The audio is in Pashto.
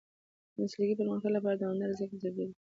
د مسلکي پرمختګ لپاره دوامداره زده کړه ضروري ده.